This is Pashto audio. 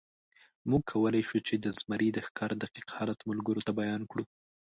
موږ کولی شو، چې د زمري د ښکار دقیق حالت ملګرو ته بیان کړو.